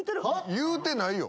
言うてないよ。